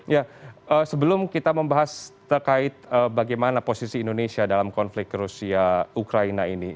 ya sebelum kita membahas terkait bagaimana posisi indonesia dalam konflik rusia ukraina ini